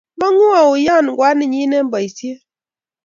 Mangu auiyo kwaninyi eng boisiet